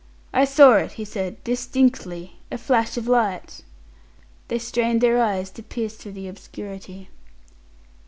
"I saw it," he said, "distinctly. A flash of light." They strained their eyes to pierce through the obscurity.